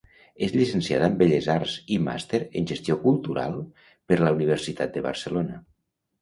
És llicenciada en Belles Arts i màster en Gestió Cultural per la Universitat de Barcelona.